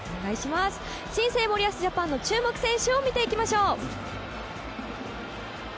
新生森保ジャパンの注目選手を見ていきましょう。